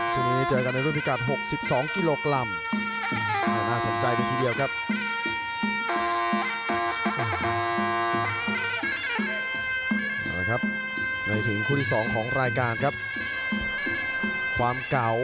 ทุ่งมนต์สิงหะเดชายิม